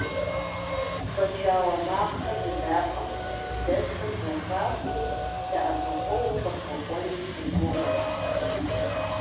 Фочауэ макъхэр быдапӀэм дэсхэм зэхахыу, дэӀэпыкъуэгъу къытхуэкӀуэну сыгугъэрт.